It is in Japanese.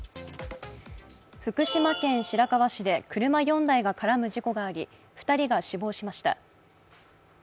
福島県白河市で車４台が絡む事故があり２人が死亡しました。